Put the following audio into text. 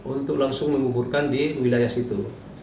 untuk langsung menguburkan di wilayah situ